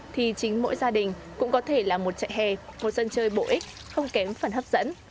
thì chính mỗi gia đình cũng có thể là một trại hè một dân chơi bổ ích không kém phần hấp dẫn